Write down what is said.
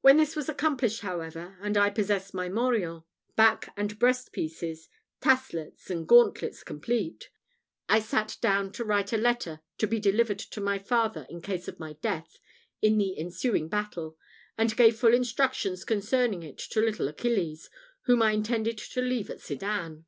When this was accomplished, however, and I possessed my morion, back and breast pieces, taslets and gauntlets complete, I sat down to write a letter to be delivered to my father in case of my death in the ensuing battle, and gave full instructions concerning it to little Achilles, whom I intended to leave at Sedan.